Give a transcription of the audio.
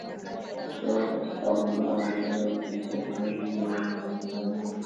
akiwa katika uwanja wa ndege wa kimataifa jijini humo mbunge huyo